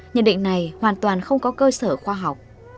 nhận định này hoàn toàn không có cơ sở khoa học